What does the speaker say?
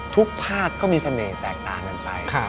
ภาคก็มีเสน่ห์แตกต่างกันไป